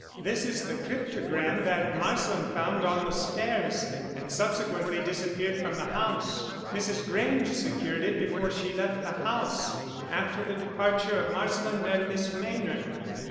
This is the cryptogram that Marsland found on the stairs, and subsequently disappeared from the house. Mrs. Grange secured it before she left the house, after the departure of Marsland and Miss Maynard."